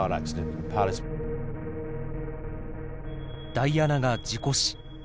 ダイアナが事故死。